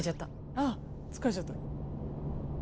あ疲れちゃった。